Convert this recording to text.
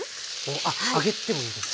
あっ揚げてもいいんですね。